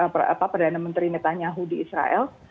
perdana menteri netanyahu di israel